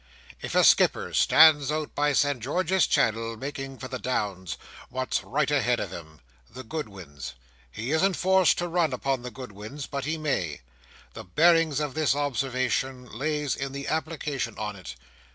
If a skipper stands out by Sen' George's Channel, making for the Downs, what's right ahead of him? The Goodwins. He isn't forced to run upon the Goodwins, but he may. The bearings of this observation lays in the application on it.